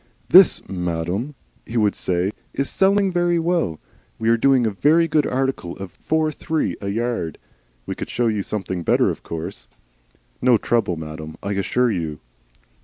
"This, madam," he would say, "is selling very well." "We are doing a very good article at four three a yard." "We could show you something better, of course." "No trouble, madam, I assure you."